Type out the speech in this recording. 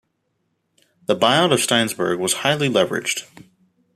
The buyout of Steinberg's was highly leveraged.